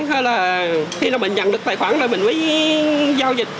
hay là khi mình nhận được tài khoản là mình mới giao dịch